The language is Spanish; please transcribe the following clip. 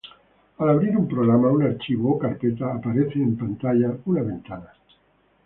Al abrir un programa, un archivo o carpeta, aparece en pantalla una ventana.